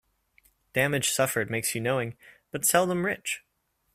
Damage suffered makes you knowing, but seldom rich.